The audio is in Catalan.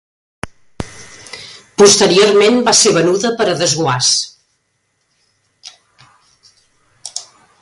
Posteriorment va ser venuda per a desguàs.